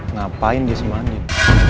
ngapain dia semuanya